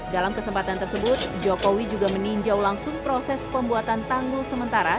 dalam kesempatan tersebut jokowi juga meninjau langsung proses pembuatan tanggul sementara